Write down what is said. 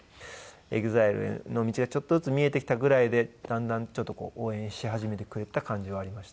ＥＸＩＬＥへの道がちょっとずつ見えてきたぐらいでだんだんちょっと応援し始めてくれた感じはありました。